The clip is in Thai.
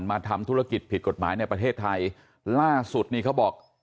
มาทำธุรกิจผิดกฎหมายในประเทศไทยล่าสุดนี่เขาบอก